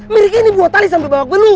mereka ini buat alisan berlapak pelur